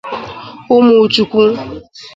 Ụmụchukwu'